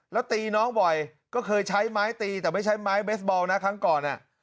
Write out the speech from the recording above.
แล้วตีน้องบ่อยก็เคยใช้ไม้ตีแต่ไม่ใช่ไม้เบสบอลนะครั้งก่อน